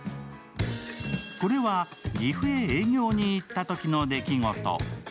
これは岐阜へ営業へ行ったときの出来事。